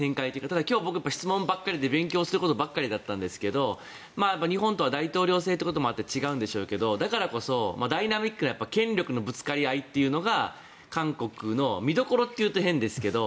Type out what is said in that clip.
ただ、今日は質問ばっかりで勉強することばっかりだったんですけど日本とは大統領制ということもあって違うんでしょうけれどもだからこそ、ダイナミックな権力のぶつかり合いというのが韓国の見どころというと変ですけど。